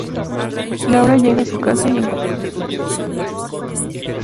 Laura llega a su casa y encuentra a su mamá desmayada en la cama.